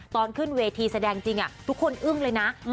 ตอนขึ้นเวทีแสดงจริงทุกคนอึ้งเลยนะ